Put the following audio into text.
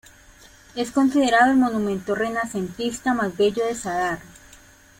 Es considerado el monumento renacentista más bello de Zadar.